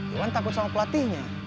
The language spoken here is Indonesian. iwan takut sama pelatihnya